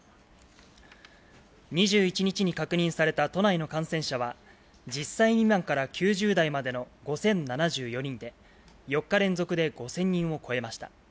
２１日に確認された都内の感染者は、１０歳未満から９０代までの５０７４人で、４日連続で５０００人を超えました。